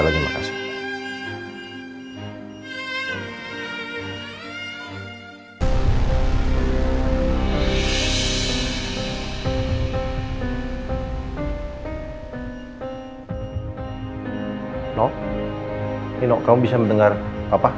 ino kamu bisa mendengar apa